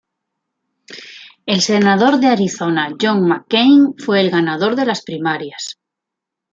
El senador de Arizona John McCain fue el ganador de las primarias.